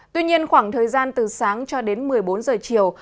tuy nhiên khoảng thời gian từ sáng cho đến một mươi bốn giờ chiều